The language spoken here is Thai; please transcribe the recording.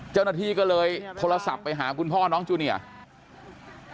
เจ้าหน้าที่ก็เลยโทรศัพท์ไปหาคุณพ่อน้องจูเนียร์